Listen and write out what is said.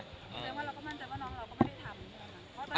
แสดงว่าเราก็มั่นใจว่าน้องเราก็ไม่ได้ทำ